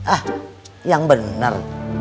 ah yang bener